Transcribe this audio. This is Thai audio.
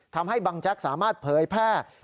ทำให้บังแจ๊กสามารถเผยแพร่